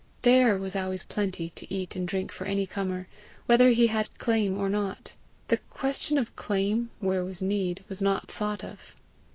THERE was always plenty to eat and drink for any comer, whether he had "claim" or not: the question of claim where was need, was not thought of.